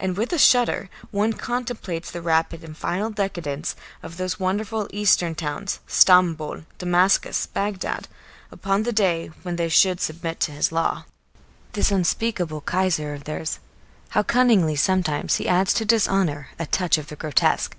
And with a shudder one contemplates the rapid and final decadence of those wonderful Eastern towns, Stamboul, Damascus, Bagdad, upon the day when they should submit to his law. This unspeakable Kaiser of theirs, how cunningly sometimes he adds to dishonour a touch of the grotesque.